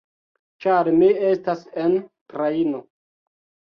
Ĉar mi estas en trajno.